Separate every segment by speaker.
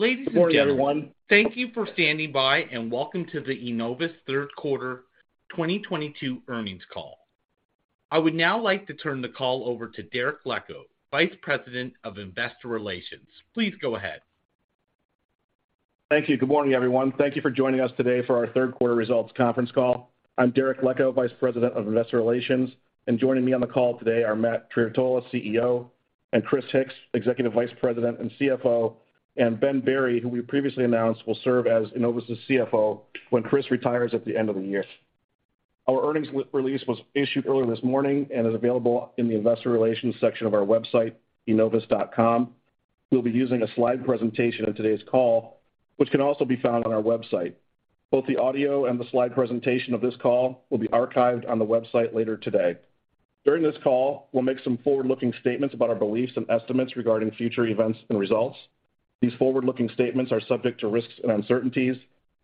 Speaker 1: Ladies and gentlemen, thank you for standing by, and welcome to the Enovis third quarter 2022 earnings call. I would now like to turn the call over to Derek Leckow, Vice President of Investor Relations. Please go ahead.
Speaker 2: Thank you. Good morning, everyone. Thank you for joining us today for our third quarter results conference call. I'm Derek Leckow, Vice President of Investor Relations. Joining me on the call today are Matt Trerotola, CEO, and Chris Hix, Executive Vice President and CFO, and Ben Berry, who we previously announced will serve as Enovis' CFO when Chris retires at the end of the year. Our earnings release was issued earlier this morning and is available in the investor relations section of our website, enovis.com. We'll be using a slide presentation on today's call, which can also be found on our website. Both the audio and the slide presentation of this call will be archived on the website later today. During this call, we'll make some forward-looking statements about our beliefs and estimates regarding future events and results. These forward-looking statements are subject to risks and uncertainties,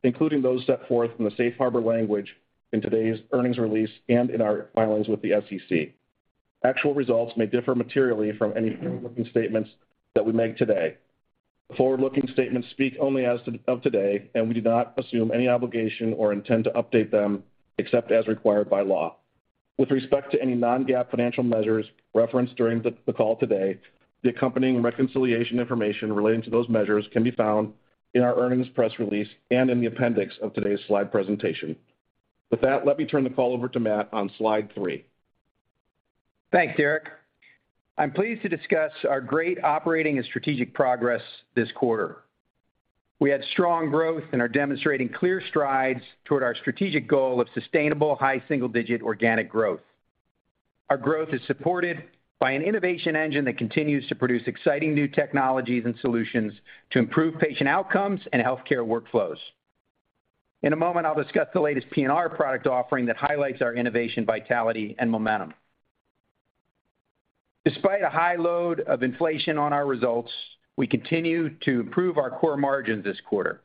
Speaker 2: including those set forth in the safe harbor language in today's earnings release and in our filings with the SEC. Actual results may differ materially from any forward-looking statements that we make today. Forward-looking statements speak only as of today, and we do not assume any obligation or intend to update them except as required by law. With respect to any non-GAAP financial measures referenced during the call today, the accompanying reconciliation information relating to those measures can be found in our earnings press release and in the appendix of today's slide presentation. With that, let me turn the call over to Matt on slide three.
Speaker 3: Thanks, Derek. I'm pleased to discuss our great operating and strategic progress this quarter. We had strong growth and are demonstrating clear strides toward our strategic goal of sustainable high single-digit organic growth. Our growth is supported by an innovation engine that continues to produce exciting new technologies and solutions to improve patient outcomes and healthcare workflows. In a moment, I'll discuss the latest PNR product offering that highlights our innovation, vitality, and momentum. Despite a high load of inflation on our results, we continue to improve our core margins this quarter,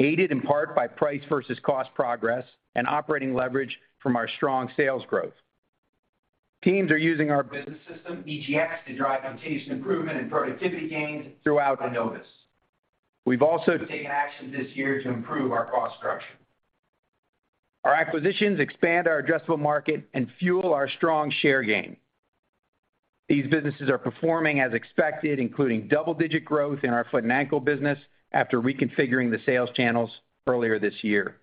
Speaker 3: aided in part by price versus cost progress and operating leverage from our strong sales growth. Teams are using our business system, EGX, to drive continuous improvement and productivity gains throughout Enovis. We've also taken action this year to improve our cost structure. Our acquisitions expand our addressable market and fuel our strong share gain. These businesses are performing as expected, including double-digit growth in our foot and ankle business after reconfiguring the sales channels earlier this year.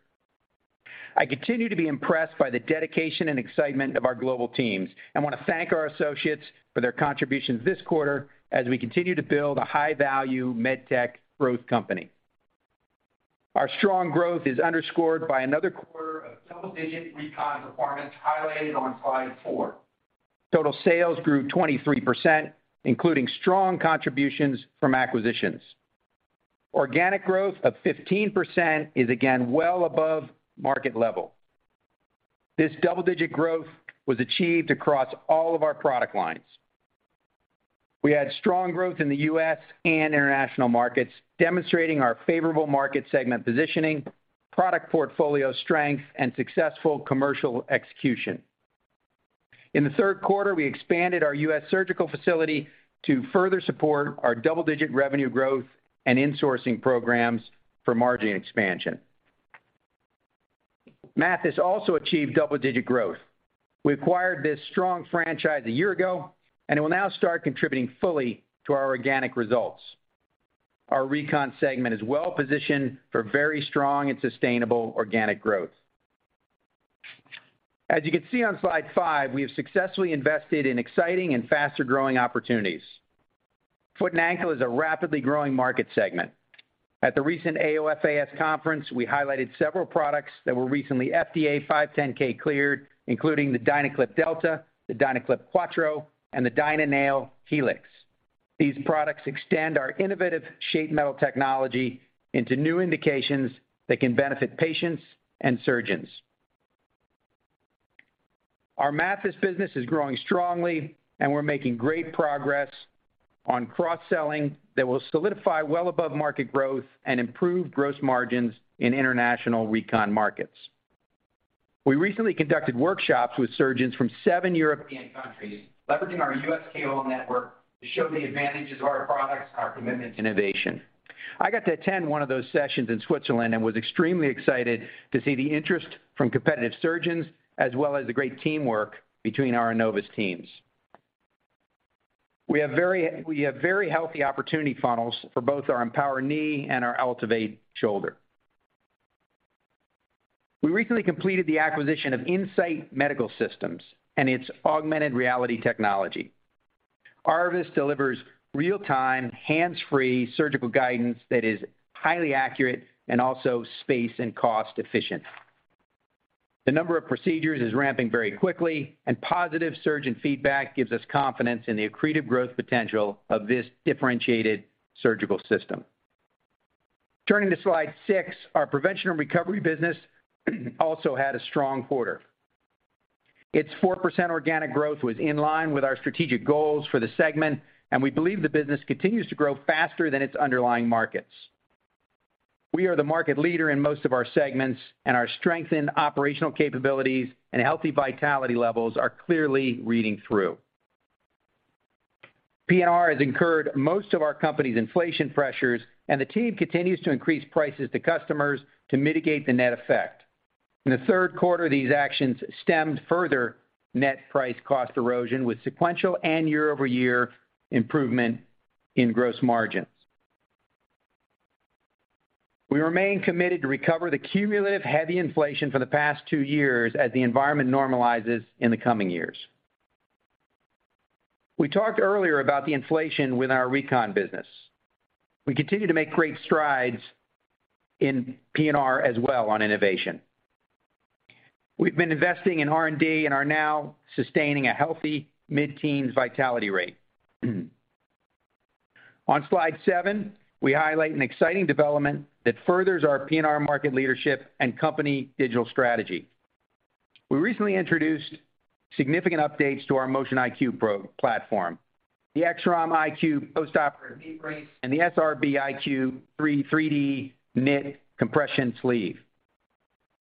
Speaker 3: I continue to be impressed by the dedication and excitement of our global teams and wanna thank our associates for their contributions this quarter as we continue to build a high-value med tech growth company. Our strong growth is underscored by another quarter of double-digit Recon revenues highlighted on slide four. Total sales grew 23%, including strong contributions from acquisitions. Organic growth of 15% is again well above market level. This double-digit growth was achieved across all of our product lines. We had strong growth in the U.S. and international markets, demonstrating our favorable market segment positioning, product portfolio strength, and successful commercial execution. In the third quarter, we expanded our U.S. surgical facility to further support our double-digit revenue growth and insourcing programs for margin expansion. Mathys also achieved double-digit growth. We acquired this strong franchise a year ago, and it will now start contributing fully to our organic results. Our Recon segment is well positioned for very strong and sustainable organic growth. As you can see on slide five, we have successfully invested in exciting and faster-growing opportunities. Foot and ankle is a rapidly growing market segment. At the recent AOFAS conference, we highlighted several products that were recently FDA 510(k) cleared, including the DynaClip Delta, the DynaClip Quattro, and the DynaNail Helix. These products extend our innovative shape memory technology into new indications that can benefit patients and surgeons. Our Mathys business is growing strongly, and we're making great progress on cross-selling that will solidify well above market growth and improve gross margins in international Recon markets. We recently conducted workshops with surgeons from seven European countries, leveraging our U.S. KOL network to show the advantages of our products and our commitment to innovation. I got to attend one of those sessions in Switzerland and was extremely excited to see the interest from competitive surgeons as well as the great teamwork between our Enovis teams. We have very healthy opportunity funnels for both our EMPOWR Knee and our AltiVate Shoulder. We recently completed the acquisition of Insight Medical Systems and its augmented reality technology. ARVIS delivers real-time, hands-free surgical guidance that is highly accurate and also space and cost efficient. The number of procedures is ramping very quickly, and positive surgeon feedback gives us confidence in the accretive growth potential of this differentiated surgical system. Turning to slide six, our prevention and recovery business also had a strong quarter. Its 4% organic growth was in line with our strategic goals for the segment, and we believe the business continues to grow faster than its underlying markets. We are the market leader in most of our segments, and our strengthened operational capabilities and healthy vitality levels are clearly reading through. PNR has incurred most of our company's inflation pressures, and the team continues to increase prices to customers to mitigate the net effect. In the third quarter, these actions stemmed further net price cost erosion with sequential and year-over-year improvement in gross margins. We remain committed to recover the cumulative heavy inflation for the past two years as the environment normalizes in the coming years. We talked earlier about the inflation with our recon business. We continue to make great strides in PNR as well on innovation. We've been investing in R&D and are now sustaining a healthy mid-teen vitality rate. On slide seven, we highlight an exciting development that furthers our PNR market leadership and company digital strategy. We recently introduced significant updates to our Motion iQ platform, the X-ROM iQ post-operative knee brace, and the SRB iQ 3D knit compression sleeve.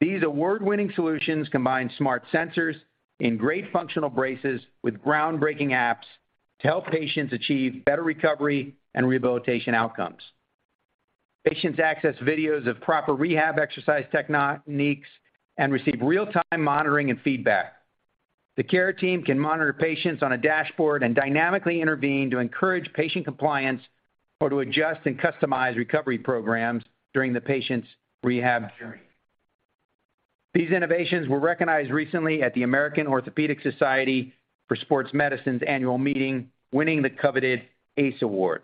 Speaker 3: These award-winning solutions combine smart sensors in great functional braces with groundbreaking apps to help patients achieve better recovery and rehabilitation outcomes. Patients access videos of proper rehab exercise techniques and receive real-time monitoring and feedback. The care team can monitor patients on a dashboard and dynamically intervene to encourage patient compliance or to adjust and customize recovery programs during the patient's rehab journey. These innovations were recognized recently at the American Orthopaedic Society for Sports Medicine's annual meeting, winning the coveted ACE Award.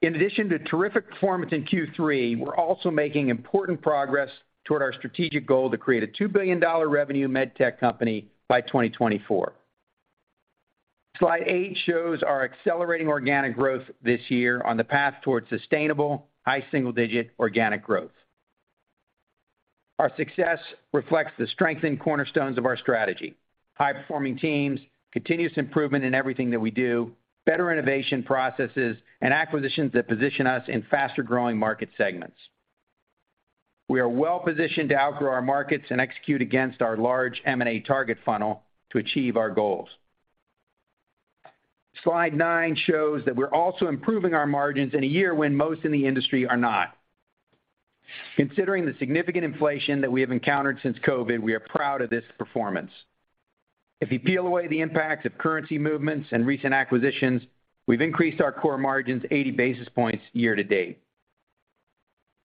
Speaker 3: In addition to terrific performance in Q3, we're also making important progress toward our strategic goal to create a $2 billion revenue med tech company by 2024. Slide eight shows our accelerating organic growth this year on the path towards sustainable high single-digit organic growth. Our success reflects the strength in cornerstones of our strategy, high-performing teams, continuous improvement in everything that we do, better innovation processes, and acquisitions that position us in faster-growing market segments. We are well-positioned to outgrow our markets and execute against our large M&A target funnel to achieve our goals. Slide nine shows that we're also improving our margins in a year when most in the industry are not. Considering the significant inflation that we have encountered since COVID, we are proud of this performance. If you peel away the impacts of currency movements and recent acquisitions, we've increased our core margins 80 basis points year to date.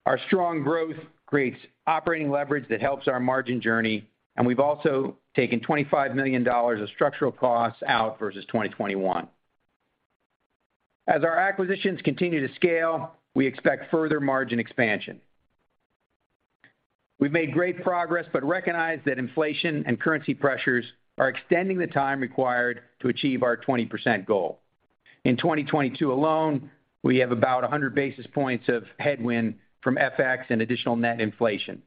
Speaker 3: Our strong growth creates operating leverage that helps our margin journey, and we've also taken $25 million of structural costs out versus 2021. As our acquisitions continue to scale, we expect further margin expansion. We've made great progress but recognize that inflation and currency pressures are extending the time required to achieve our 20% goal. In 2022 alone, we have about 100 basis points of headwind from FX and additional net inflation.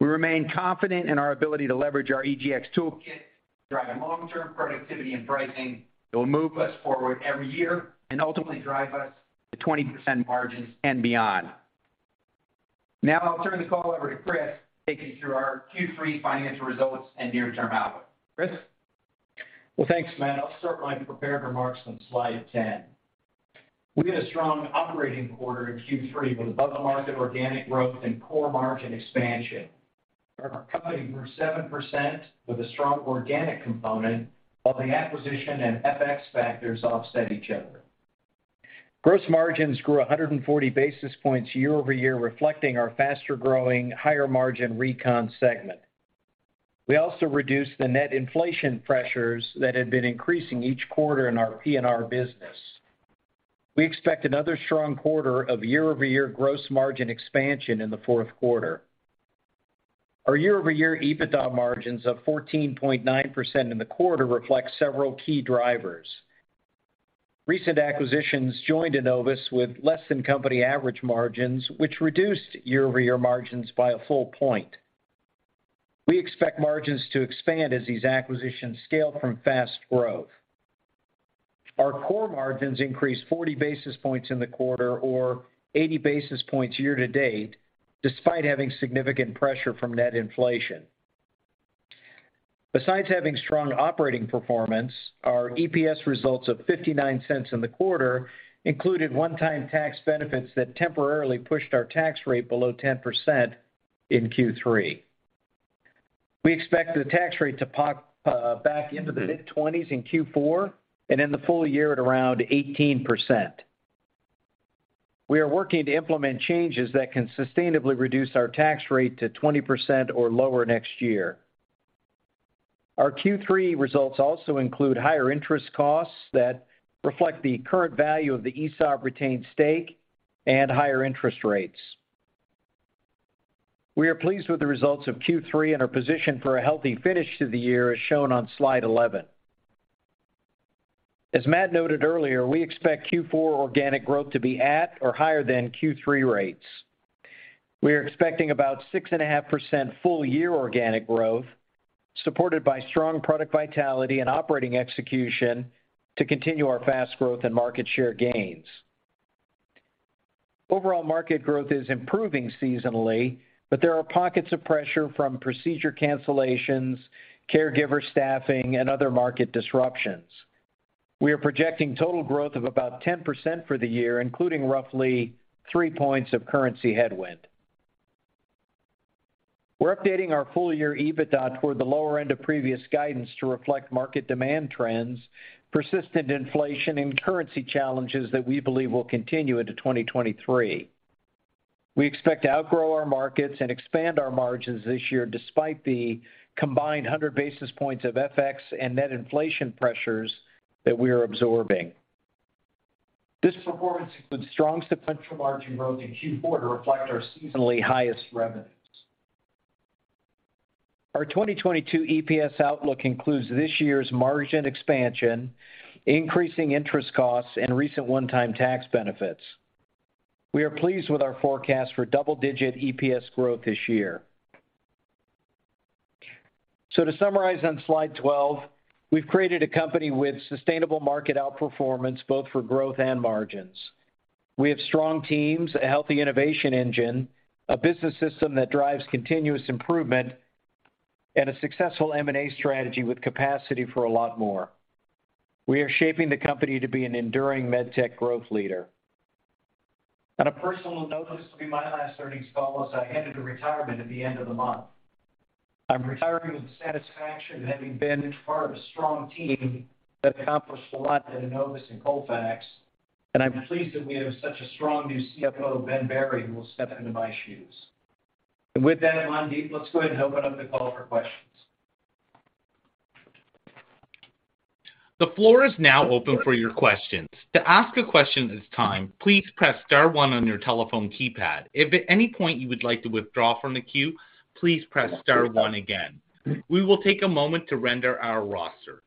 Speaker 3: We remain confident in our ability to leverage our EGX toolkit, drive long-term productivity and pricing that will move us forward every year and ultimately drive us to 20% margins and beyond. Now I'll turn the call over to Chris to take you through our Q3 financial results and near-term outlook. Chris?
Speaker 4: Well, thanks, Matt. I'll start my prepared remarks on slide 10. We had a strong operating quarter in Q3 with above the market organic growth and core margin expansion. Our company grew 7% with a strong organic component while the acquisition and FX factors offset each other. Gross margins grew 140 basis points year-over-year, reflecting our faster-growing, higher-margin recon segment. We also reduced the net inflation pressures that had been increasing each quarter in our PNR business. We expect another strong quarter of year-over-year gross margin expansion in the fourth quarter. Our year-over-year EBITDA margins of 14.9% in the quarter reflect several key drivers. Recent acquisitions joined Enovis with less than company average margins, which reduced year-over-year margins by a full point. We expect margins to expand as these acquisitions scale from fast growth. Our core margins increased 40 basis points in the quarter or 80 basis points year to date, despite having significant pressure from net inflation. Besides having strong operating performance, our EPS results of $0.59 in the quarter included one-time tax benefits that temporarily pushed our tax rate below 10% in Q3. We expect the tax rate to pop back into the mid-20s% in Q4 and in the full year at around 18%. We are working to implement changes that can sustainably reduce our tax rate to 20% or lower next year. Our Q3 results also include higher interest costs that reflect the current value of the ESOP retained stake and higher interest rates. We are pleased with the results of Q3 and are positioned for a healthy finish to the year as shown on slide 11. As Matt noted earlier, we expect Q4 organic growth to be at or higher than Q3 rates. We are expecting about 6.5% full year organic growth, supported by strong product vitality and operating execution to continue our fast growth and market share gains. Overall market growth is improving seasonally, but there are pockets of pressure from procedure cancellations, caregiver staffing, and other market disruptions. We are projecting total growth of about 10% for the year, including roughly 3 points of currency headwind. We're updating our full year EBITDA toward the lower end of previous guidance to reflect market demand trends, persistent inflation and currency challenges that we believe will continue into 2023. We expect to outgrow our markets and expand our margins this year despite the combined 100 basis points of FX and net inflation pressures that we are absorbing. This performance includes strong sequential margin growth in Q4 to reflect our seasonally highest revenues. Our 2022 EPS outlook includes this year's margin expansion, increasing interest costs and recent one-time tax benefits. We are pleased with our forecast for double-digit EPS growth this year. To summarize on slide 12, we've created a company with sustainable market outperformance, both for growth and margins. We have strong teams, a healthy innovation engine, a business system that drives continuous improvement, and a successful M&A strategy with capacity for a lot more. We are shaping the company to be an enduring med tech growth leader. On a personal note, this will be my last earnings call, as I head into retirement at the end of the month. I'm retiring with the satisfaction of having been part of a strong team that accomplished a lot at Enovis and Colfax, and I'm pleased that we have such a strong new CFO, Ben Berry, who will step into my shoes. With that, Mandeep, let's go ahead and open up the call for questions.
Speaker 1: The floor is now open for your questions. To ask a question at this time, please press star one on your telephone keypad. If at any point you would like to withdraw from the queue, please press star one again. We will take a moment to review our roster.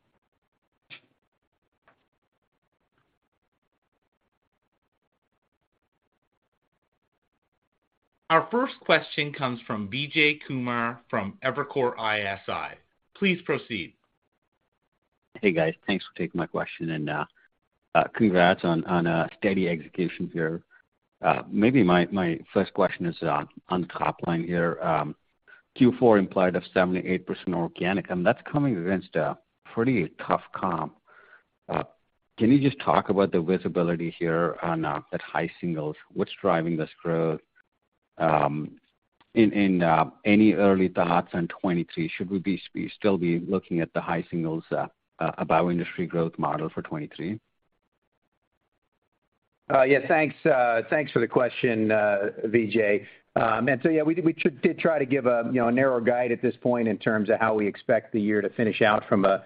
Speaker 1: Our first question comes from Vijay Kumar from Evercore ISI. Please proceed.
Speaker 5: Hey, guys. Thanks for taking my question, and congrats on steady execution here. Maybe my first question is on top line here. Q4 implied up 78% organic, and that's coming against a pretty tough comp. Can you just talk about the visibility here on that high singles? What's driving this growth? Any early thoughts on 2023? Should we be still looking at the high singles above industry growth model for 2023?
Speaker 3: Yeah, thanks for the question, Vijay. Yeah, we did try to give you know a narrow guide at this point in terms of how we expect the year to finish out from a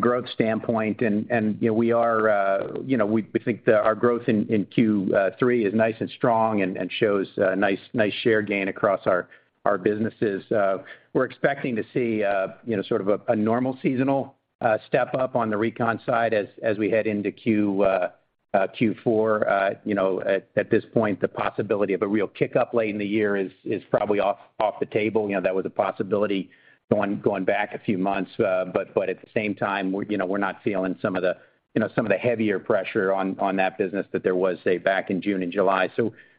Speaker 3: growth standpoint. You know, we are you know we think that our growth in Q3 is nice and strong and shows nice share gain across our businesses. We're expecting to see you know sort of a normal seasonal step up on the recon side as we head into Q4. You know at this point the possibility of a real kick-up late in the year is probably off the table. You know that was a possibility going back a few months. At the same time, we're, you know, not feeling some of the, you know, some of the heavier pressure on that business that there was, say, back in June and July.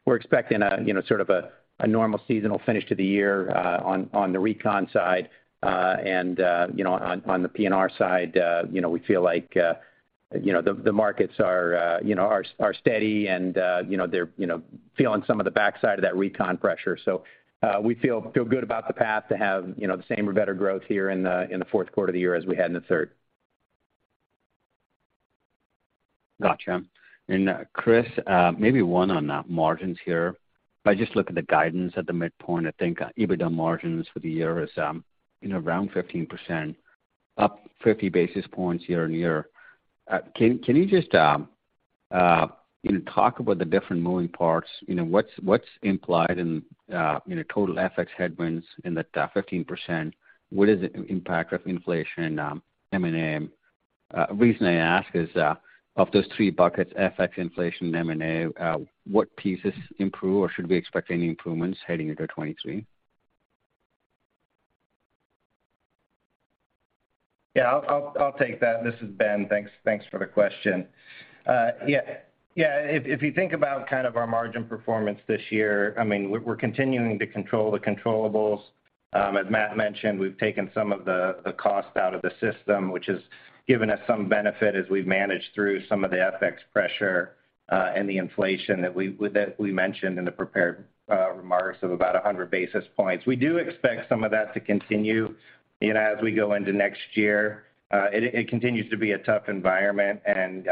Speaker 3: We're expecting a, you know, sort of a normal seasonal finish to the year on the recon side. You know, on the PNR side, you know, we feel like, you know, the markets are steady and, you know, they're feeling some of the backside of that recon pressure. We feel good about the path to have, you know, the same or better growth here in the fourth quarter of the year as we had in the third.
Speaker 5: Gotcha. Chris, maybe one on margins here. If I just look at the guidance at the midpoint, I think EBITDA margins for the year is around 15%, up 50 basis points year-over-year. Can you just talk about the different moving parts? What's implied in total FX headwinds in the 15%? What is the impact of inflation, M&A? The reason I ask is, of those three buckets, FX, inflation, and M&A, what pieces improve, or should we expect any improvements heading into 2023?
Speaker 6: Yeah, I'll take that. This is Ben. Thanks for the question. Yeah, if you think about kind of our margin performance this year, I mean, we're continuing to control the controllables. As Matt mentioned, we've taken some of the cost out of the system, which has given us some benefit as we've managed through some of the FX pressure and the inflation that we mentioned in the prepared remarks of about 100 basis points. We do expect some of that to continue, you know, as we go into next year. It continues to be a tough environment and,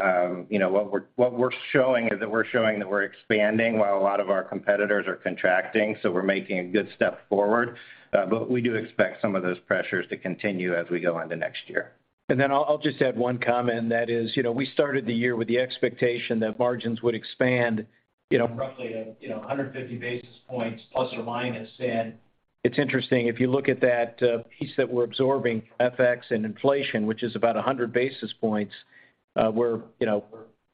Speaker 6: you know, what we're showing is that we're expanding while a lot of our competitors are contracting, so we're making a good step forward. We do expect some of those pressures to continue as we go into next year.
Speaker 4: I'll just add one comment. That is, you know, we started the year with the expectation that margins would expand, you know, roughly, you know, 150 basis points plus or minus.
Speaker 3: It's interesting, if you look at that piece that we're absorbing, FX and inflation, which is about 100 basis points, we're, you know,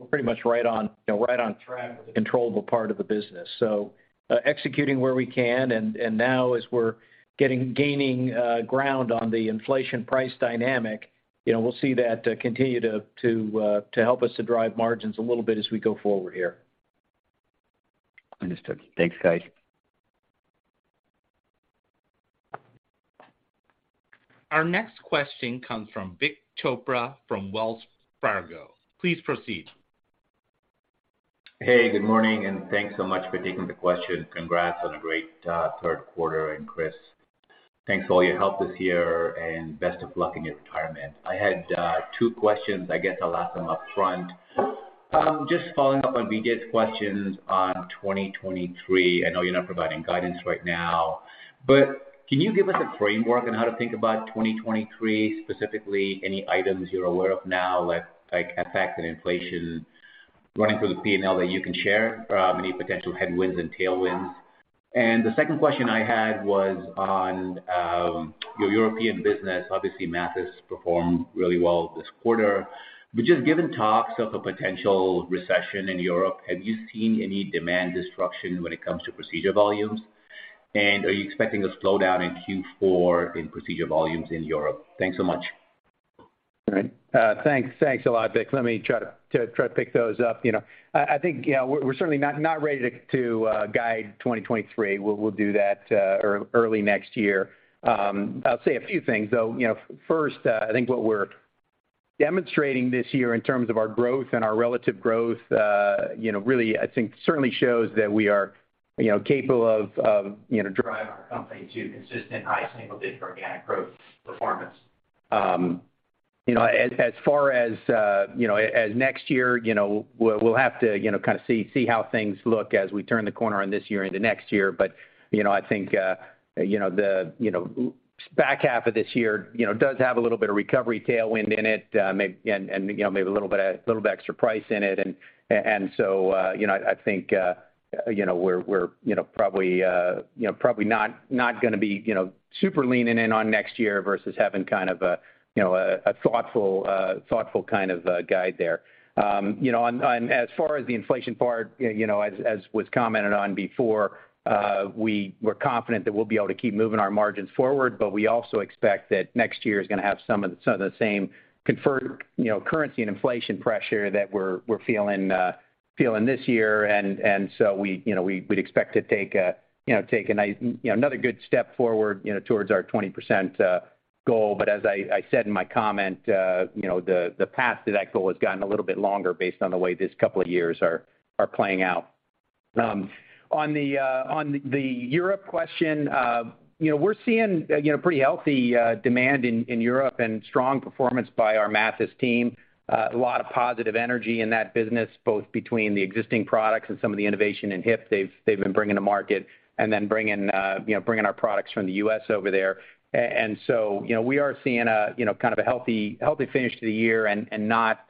Speaker 3: pretty much right on, you know, right on track with the controllable part of the business. Executing where we can, and now as we're gaining ground on the inflation price dynamic, you know, we'll see that continue to help us to drive margins a little bit as we go forward here.
Speaker 5: Understood. Thanks, guys.
Speaker 1: Our next question comes from Vik Chopra from Wells Fargo. Please proceed.
Speaker 7: Hey, good morning, and thanks so much for taking the question. Congrats on a great third quarter. Chris, thanks for all your help this year, and best of luck in your retirement. I had two questions. I guess I'll ask them upfront. Just following up on Vijay's questions on 2023. I know you're not providing guidance right now. Can you give us a framework on how to think about 2023, specifically any items you're aware of now, like FX and inflation running through the P&L that you can share? Any potential headwinds and tailwinds? The second question I had was on your European business. Obviously, Mathys performed really well this quarter. Just given talks of a potential recession in Europe, have you seen any demand destruction when it comes to procedure volumes? Are you expecting a slowdown in Q4 in procedure volumes in Europe? Thanks so much.
Speaker 3: All right. Thanks. Thanks a lot, Vik. Let me try to pick those up. You know, I think, you know, we're certainly not ready to guide 2023. We'll do that early next year. I'll say a few things, though. You know, first, I think what we're demonstrating this year in terms of our growth and our relative growth, you know, really, I think certainly shows that we are, you know, capable of driving our company to consistent high single-digit organic growth performance. You know, as far as next year, you know, we'll have to kind of see how things look as we turn the corner on this year into next year. You know, I think, you know, the back half of this year, you know, does have a little bit of recovery tailwind in it, and, you know, maybe a little bit extra price in it. So, you know, I think, you know, we're, you know, probably not gonna be, you know, super leaning in on next year versus having kind of a, you know, a thoughtful kind of guide there. As far as the inflation part, you know, as was commented on before, we were confident that we'll be able to keep moving our margins forward, but we also expect that next year is gonna have some of the same current, you know, currency and inflation pressure that we're feeling this year. We'd expect to take another good step forward, you know, towards our 20% goal. As I said in my comment, you know, the path to that goal has gotten a little bit longer based on the way this couple of years are playing out. On the Europe question, you know, we're seeing you know, pretty healthy demand in Europe and strong performance by our Mathys team. A lot of positive energy in that business, both between the existing products and some of the innovation in hip they've been bringing to market, and then bringing you know, bringing our products from the U.S. over there. You know, we are seeing a you know, kind of a healthy finish to the year and not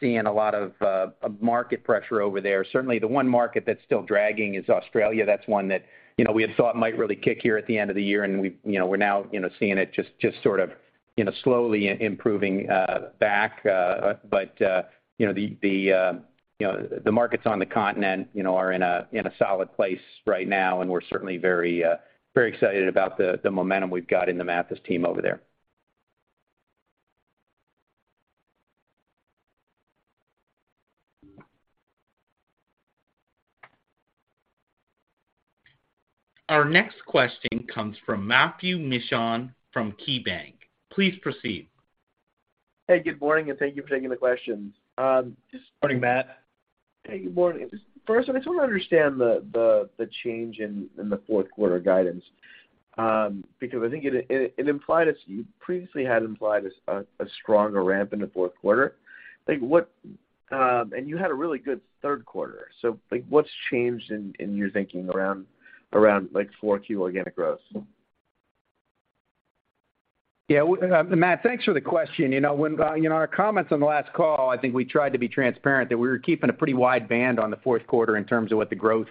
Speaker 3: seeing a lot of market pressure over there. Certainly, the one market that's still dragging is Australia. That's one that, you know, we had thought might really kick here at the end of the year, and we, you know, we're now, you know, seeing it just sort of, you know, slowly improving back. But, you know, the markets on the continent, you know, are in a solid place right now, and we're certainly very, very excited about the momentum we've got in the Mathys team over there.
Speaker 1: Our next question comes from Matthew Mishan from KeyBanc. Please proceed.
Speaker 8: Hey, good morning, and thank you for taking the questions. Just-
Speaker 3: Morning, Matt.
Speaker 9: Hey, good morning. Just first, I just want to understand the change in the fourth quarter guidance. Because I think you previously had implied a stronger ramp in the fourth quarter. Like, what? You had a really good third quarter. Like, what's changed in your thinking around like 4Q organic growth?
Speaker 3: Yeah. Matt, thanks for the question. You know, when you know, our comments on the last call, I think we tried to be transparent that we were keeping a pretty wide band on the fourth quarter in terms of what the growth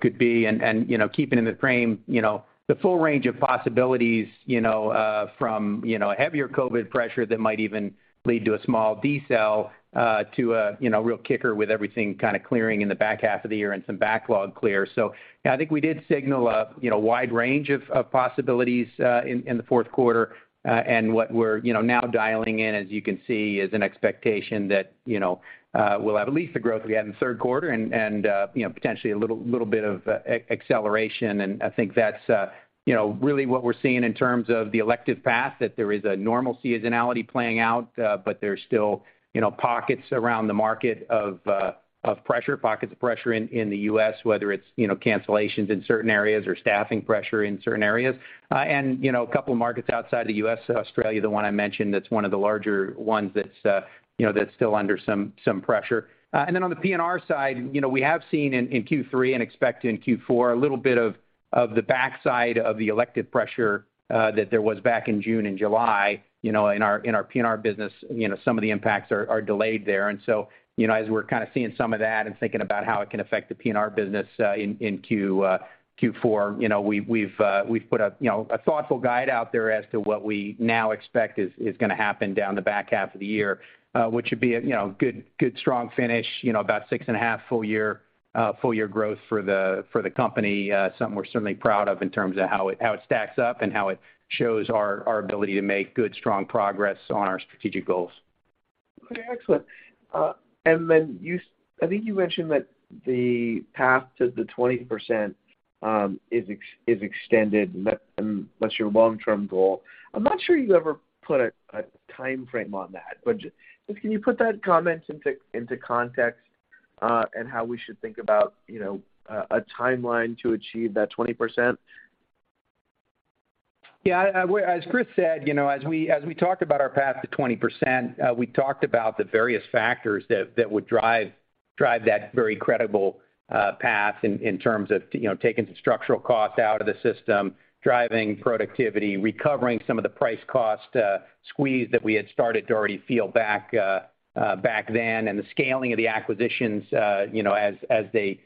Speaker 3: could be. You know, keeping in the frame, you know, the full range of possibilities, you know, from you know, a heavier COVID pressure that might even lead to a small decel, to a you know, real kicker with everything kinda clearing in the back half of the year and some backlog clear. I think we did signal a you know, wide range of possibilities in the fourth quarter. What we're, you know, now dialing in, as you can see, is an expectation that, you know, we'll have at least the growth we had in the third quarter and, you know, potentially a little bit of acceleration. I think that's, you know, really what we're seeing in terms of the elective path, that there is a normal seasonality playing out, but there's still, you know, pockets around the market of pressure, pockets of pressure in the U.S., whether it's, you know, cancellations in certain areas or staffing pressure in certain areas. You know, a couple markets outside the U.S., Australia, the one I mentioned, that's one of the larger ones that's, you know, that's still under some pressure. On the P&R side, you know, we have seen in Q3 and expect in Q4 a little bit of the backside of the elective pressure that there was back in June and July, you know, in our P&R business, you know, some of the impacts are delayed there. You know, as we're kind of seeing some of that and thinking about how it can affect the P&R business in Q4, you know, we've put a thoughtful guide out there as to what we now expect is gonna happen down the back half of the year, which would be a good strong finish, you know, about 6.5% full-year growth for the company. Something we're certainly proud of in terms of how it stacks up and how it shows our ability to make good, strong progress on our strategic goals.
Speaker 8: Okay, excellent. I think you mentioned that the path to the 20% is extended. That's your long-term goal. I'm not sure you ever put a timeframe on that, but just can you put that comment into context, and how we should think about, you know, a timeline to achieve that 20%?
Speaker 3: Yeah, well, as Chris said, you know, as we talked about our path to 20%, we talked about the various factors that would drive that very credible path in terms of, you know, taking some structural costs out of the system, driving productivity, recovering some of the price cost squeeze that we had started to already feel back then, and the scaling of the acquisitions, you know, as they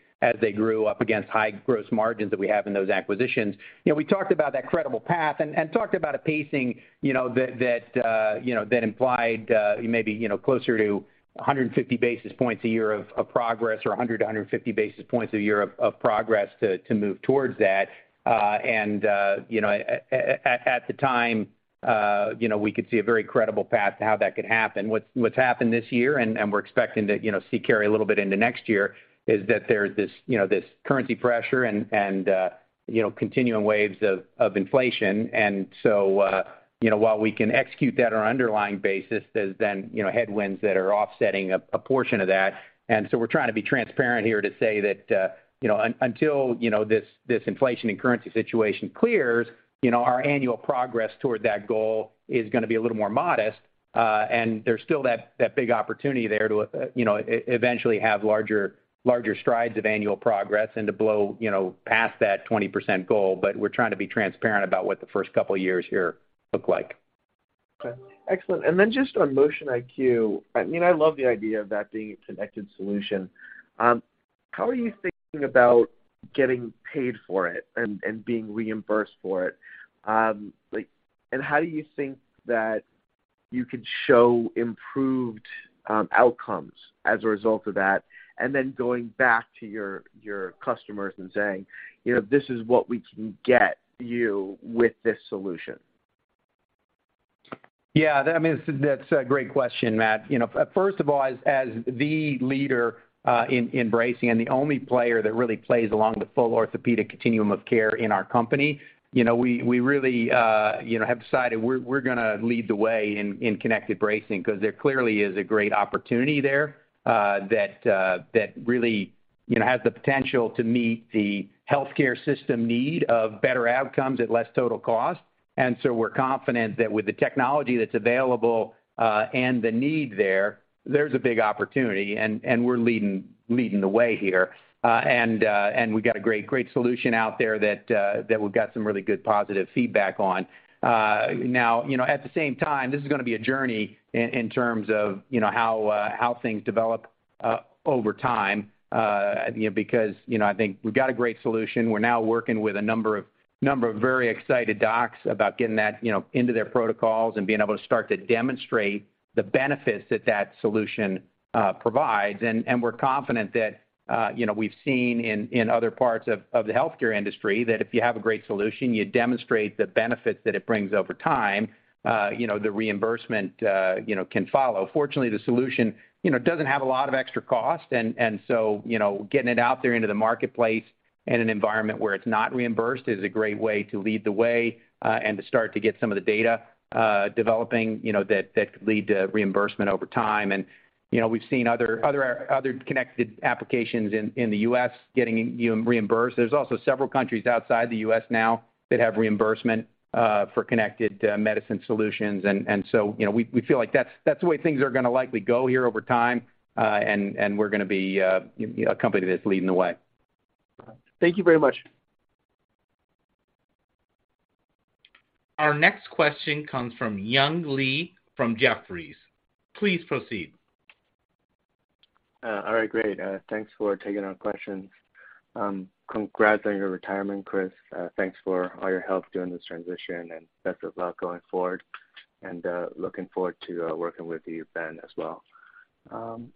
Speaker 3: grew up against high gross margins that we have in those acquisitions. You know, we talked about that credible path and talked about a pacing, you know, that implied maybe, you know, closer to 150 basis points a year of progress or 100 to 150 basis points a year of progress to move towards that. You know, at the time, you know, we could see a very credible path to how that could happen. What's happened this year, and we're expecting to, you know, see carry a little bit into next year, is that there's this currency pressure and continuing waves of inflation. While we can execute that on our underlying basis, there's then, you know, headwinds that are offsetting a portion of that. We're trying to be transparent here to say that, you know, until, you know, this inflation and currency situation clears, you know, our annual progress toward that goal is gonna be a little more modest. There's still that big opportunity there to, you know, eventually have larger strides of annual progress and to blow, you know, past that 20% goal, but we're trying to be transparent about what the first couple of years here look like.
Speaker 8: Okay, excellent. Just on Motion iQ. I mean, I love the idea of that being a connected solution. How are you thinking about getting paid for it and being reimbursed for it? Like, and how do you think that you can show improved outcomes as a result of that? Going back to your customers and saying, "You know, this is what we can get you with this solution.
Speaker 3: Yeah, I mean, that's a great question, Matt. You know, first of all, as the leader in bracing and the only player that really plays along the full orthopaedic continuum of care in our company, you know, we really have decided we're gonna lead the way in connected bracing because there clearly is a great opportunity there that really has the potential to meet the healthcare system need of better outcomes at less total cost. We're confident that with the technology that's available and the need there's a big opportunity, and we're leading the way here. We've got a great solution out there that we've got some really good positive feedback on. Now, you know, at the same time, this is gonna be a journey in terms of, you know, how things develop over time, you know, because, you know, I think we've got a great solution. We're now working with a number of very excited docs about getting that, you know, into their protocols and being able to start to demonstrate the benefits that that solution provides. We're confident that, you know, we've seen in other parts of the healthcare industry that if you have a great solution, you demonstrate the benefits that it brings over time, you know, the reimbursement, you know, can follow. Fortunately, the solution, you know, doesn't have a lot of extra cost. You know, getting it out there into the marketplace in an environment where it's not reimbursed is a great way to lead the way and to start to get some of the data developing, you know, that could lead to reimbursement over time. You know, we've seen other connected applications in the U.S. getting, you know, reimbursed. There's also several countries outside the U.S. Now that have reimbursement for connected medicine solutions. You know, we feel like that's the way things are gonna likely go here over time. We're gonna be a, you know, a company that's leading the way.
Speaker 8: All right. Thank you very much.
Speaker 1: Our next question comes from Young Li from Jefferies. Please proceed.
Speaker 10: All right, great. Thanks for taking our questions. Congrats on your retirement, Chris. Thanks for all your help during this transition, and best of luck going forward. Looking forward to working with you, Ben, as well.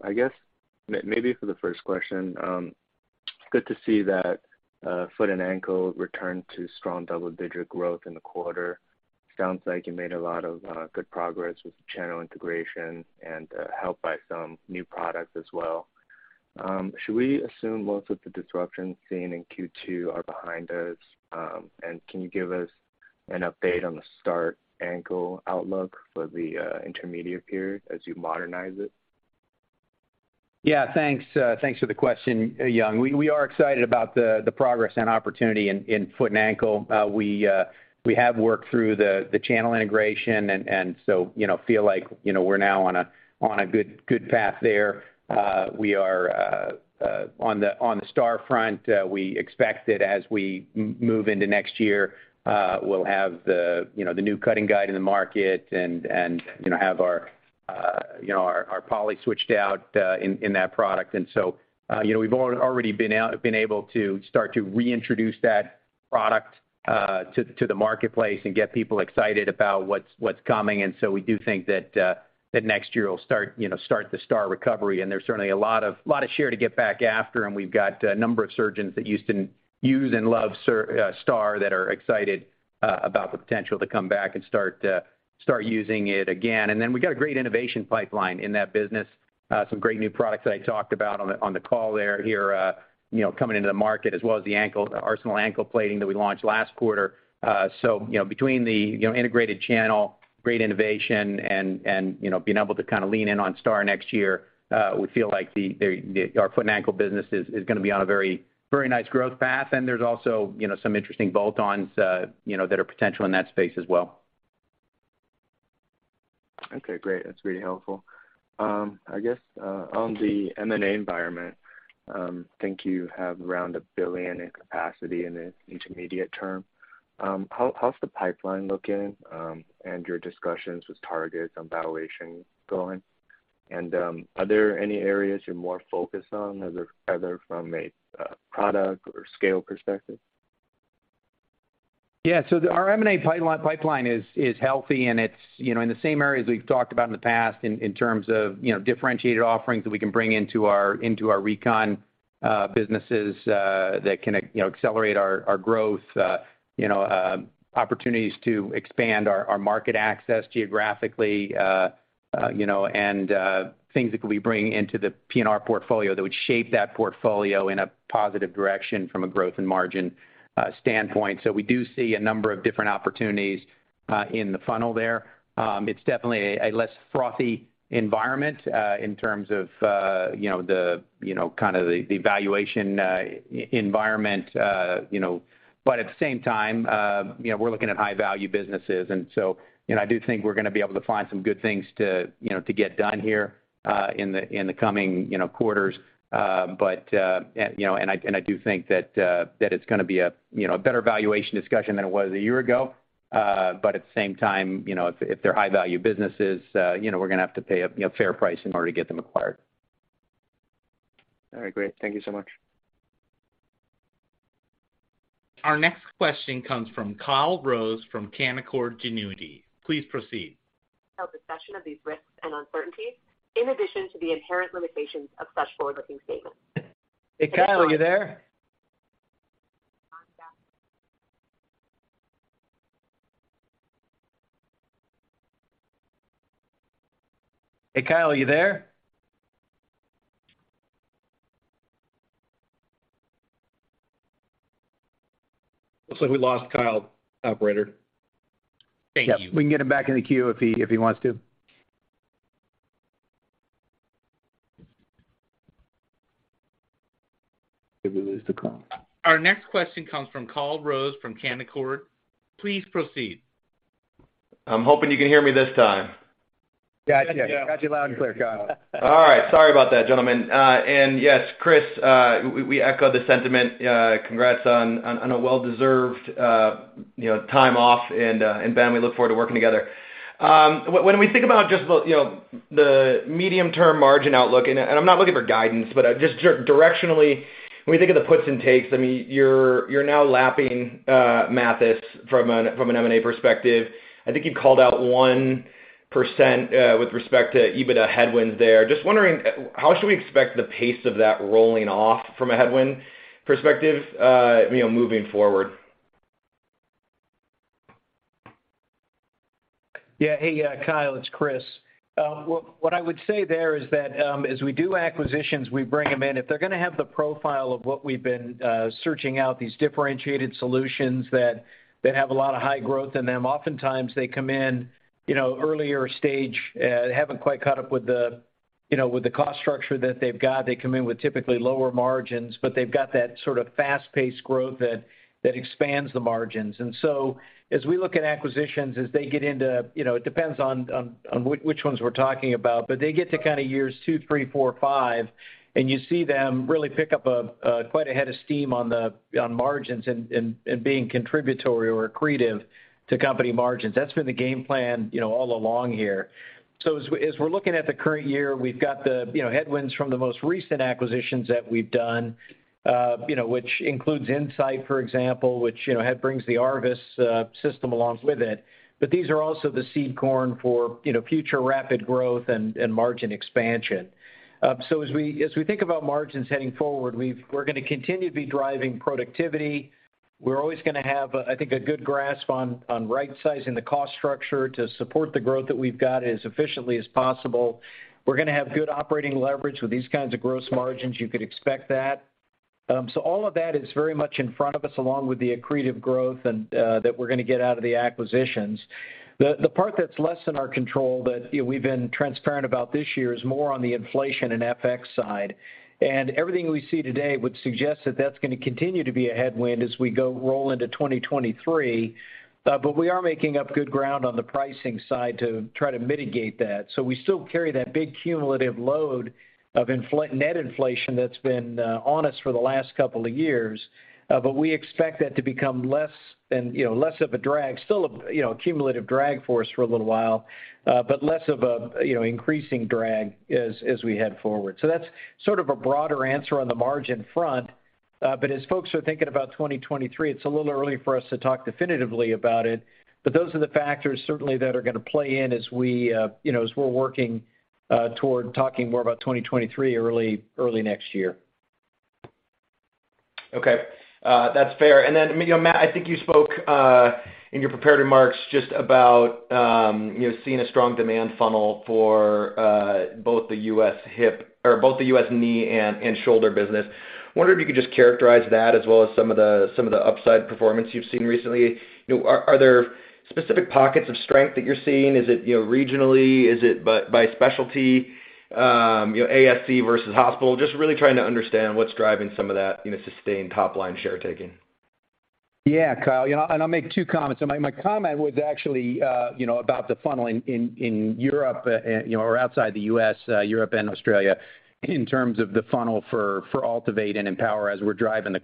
Speaker 10: I guess maybe for the first question, good to see that foot and ankle returned to strong double-digit growth in the quarter. Sounds like you made a lot of good progress with the channel integration and helped by some new products as well. Should we assume most of the disruptions seen in Q2 are behind us? Can you give us an update on the STAR Ankle outlook for the intermediate period as you modernize it?
Speaker 3: Yeah, thanks for the question, Young. We are excited about the progress and opportunity in foot and ankle. We have worked through the channel integration and so, you know, feel like, you know, we're now on a good path there. We are on the STAR front, we expect that as we move into next year, we'll have the new cutting guide in the market and have our poly switched out in that product. You know, we've already been able to start to reintroduce that product to the marketplace and get people excited about what's coming. We do think that next year will start, you know, start the STAR recovery, and there's certainly a lot of share to get back after. We've got a number of surgeons that use and love STAR that are excited about the potential to come back and start using it again. We've got a great innovation pipeline in that business, some great new products that I talked about on the call here, you know, coming into the market as well as the Arsenal Ankle Plating that we launched last quarter. You know, between the integrated channel, great innovation and you know, being able to kind of lean in on STAR next year, we feel like our foot and ankle business is gonna be on a very nice growth path. There's also you know, some interesting bolt-ons you know, that are potential in that space as well.
Speaker 10: Okay, great. That's very helpful. I guess, on the M&A environment, think you have around $1 billion in capacity in the intermediate term. How's the pipeline looking, and your discussions with targets on valuation going? Are there any areas you're more focused on, other from a product or scale perspective?
Speaker 3: Yeah. Our M&A pipeline is healthy, and it's, you know, in the same areas we've talked about in the past in terms of, you know, differentiated offerings that we can bring into our recon businesses that can, you know, accelerate our growth, you know, opportunities to expand our market access geographically, you know, and things that we bring into the P&R portfolio that would shape that portfolio in a positive direction from a growth and margin standpoint. We do see a number of different opportunities in the funnel there. It's definitely a less frothy environment in terms of, you know, the valuation environment, you know. At the same time, you know, we're looking at high value businesses. You know, I do think we're gonna be able to find some good things to, you know, to get done here in the coming, you know, quarters. You know, I do think that it's gonna be a, you know, a better valuation discussion than it was a year ago. But at the same time, you know, if they're high value businesses, you know, we're gonna have to pay a, you know, fair price in order to get them acquired.
Speaker 10: All right. Great. Thank you so much.
Speaker 1: Our next question comes from Kyle Rose from Canaccord Genuity. Please proceed.
Speaker 11: In the section on these risks and uncertainties, in addition to the inherent limitations of such forward-looking statements.
Speaker 3: Hey, Kyle, are you there? Looks like we lost Kyle, operator. Thank you.
Speaker 1: Yes. We can get him back in the queue if he wants to.
Speaker 4: We lose the call.
Speaker 1: Our next question comes from Kyle Rose from Canaccord. Please proceed.
Speaker 11: I'm hoping you can hear me this time.
Speaker 3: Got you.
Speaker 1: There you go.
Speaker 3: Got you loud and clear, Kyle.
Speaker 11: All right. Sorry about that, gentlemen. Yes, Chris, we echo the sentiment. Congrats on a well-deserved, you know, time off. Ben, we look forward to working together. When we think about just the, you know, the medium-term margin outlook, I'm not looking for guidance, but just directionally, when we think of the puts and takes, I mean, you're now lapping Mathys from an M&A perspective. I think you called out 1% with respect to EBITDA headwinds there. Just wondering, how should we expect the pace of that rolling off from a headwind perspective, you know, moving forward?
Speaker 4: Yeah. Hey, Kyle, it's Chris. What I would say there is that, as we do acquisitions, we bring them in. If they're gonna have the profile of what we've been searching out, these differentiated solutions that have a lot of high growth in them, oftentimes they come in, you know, earlier stage, haven't quite caught up with the, you know, with the cost structure that they've got. They come in with typically lower margins, but they've got that sort of fast-paced growth that expands the margins. As we look at acquisitions, as they get into, you know, it depends on which ones we're talking about.
Speaker 3: They get to kind of years two, three, four, five, and you see them really pick up quite a head of steam on margins and being contributory or accretive to company margins. That's been the game plan, you know, all along here. As we're looking at the current year, we've got the, you know, headwinds from the most recent acquisitions that we've done, you know, which includes Insight, for example, which, you know, help brings the ARVIS system along with it. These are also the seed corn for, you know, future rapid growth and margin expansion. As we think about margins heading forward, we're gonna continue to be driving productivity. We're always gonna have, I think a good grasp on right-sizing the cost structure to support the growth that we've got as efficiently as possible. We're gonna have good operating leverage. With these kinds of gross margins, you could expect that. So all of that is very much in front of us, along with the accretive growth and that we're gonna get out of the acquisitions. The part that's less in our control that, you know, we've been transparent about this year is more on the inflation and FX side. Everything we see today would suggest that that's gonna continue to be a headwind as we roll into 2023. But we are making up good ground on the pricing side to try to mitigate that. We still carry that big cumulative load of net inflation that's been on us for the last couple of years. We expect that to become less and less of a drag. Still, a cumulative drag for us for a little while, but less of a increasing drag as we head forward. That's sort of a broader answer on the margin front. As folks are thinking about 2023, it's a little early for us to talk definitively about it. Those are the factors certainly that are gonna play in as we're working toward talking more about 2023 early next year.
Speaker 11: Okay. That's fair. Then, you know, Matt, I think you spoke in your prepared remarks just about, you know, seeing a strong demand funnel for both the U.S. knee and shoulder business. I wonder if you could just characterize that as well as some of the upside performance you've seen recently. You know, are there specific pockets of strength that you're seeing? Is it, you know, regionally? Is it by specialty? You know, ASC versus hospital. Just really trying to understand what's driving some of that, you know, sustained top-line share taking.
Speaker 3: Yeah, Kyle. You know, I'll make two comments. My comment was actually, you know, about the funnel in Europe, you know, or outside the US, Europe and Australia in terms of the funnel for AltiVate and EMPOWR as we're driving the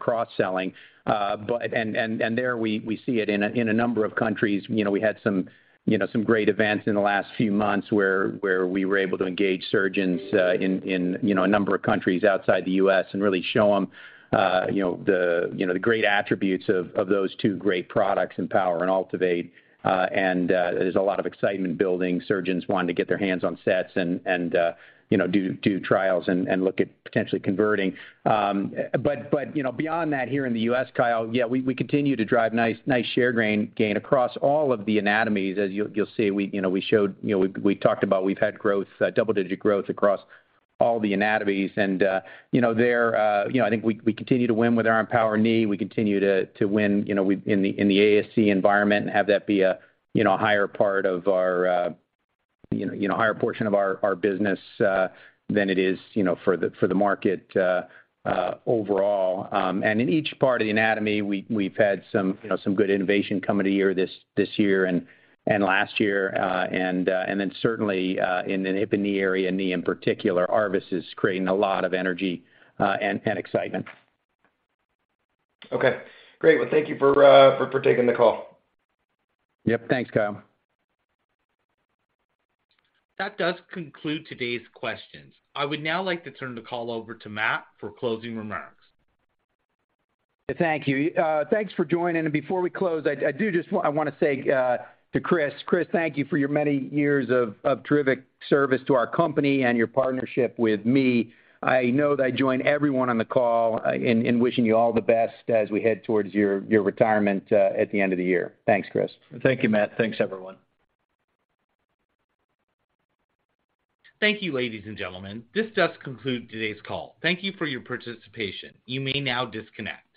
Speaker 3: cross-selling. There we see it in a number of countries. You know, we had some, you know, some great events in the last few months where we were able to engage surgeons, in, you know, a number of countries outside the U.S. and really show them, you know, the great attributes of those two great products, EMPOWR and AltiVate. There's a lot of excitement building, surgeons wanting to get their hands on sets and, you know, do trials and look at potentially converting. You know, beyond that here in the U.S., Kyle, yeah, we continue to drive nice share gain across all of the anatomies. As you'll see, we, you know, showed, you know, we talked about we've had growth, double-digit growth across all the anatomies. You know, I think we continue to win with our EMPOWR knee. We continue to win, you know, in the ASC environment and have that be a higher part of our, you know, higher portion of our business than it is, you know, for the market overall. In each part of the anatomy, we've had some good innovation coming this year and last year. Certainly, in the hip and knee area and knee in particular, ARVIS is creating a lot of energy and excitement.
Speaker 11: Okay. Great. Well, thank you for taking the call.
Speaker 3: Yep. Thanks, Kyle.
Speaker 1: That does conclude today's questions. I would now like to turn the call over to Matt for closing remarks.
Speaker 3: Thank you. Thanks for joining. Before we close, I want to say to Chris. Chris, thank you for your many years of terrific service to our company and your partnership with me. I know that I join everyone on the call in wishing you all the best as we head towards your retirement at the end of the year. Thanks, Chris.
Speaker 4: Thank you, Matt. Thanks, everyone.
Speaker 1: Thank you, ladies and gentlemen. This does conclude today's call. Thank you for your participation. You may now disconnect.